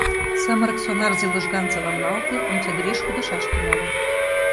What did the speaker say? Самырык сонарзе лыжган саламлалте, омсадӱреш кудашаш тӱҥале.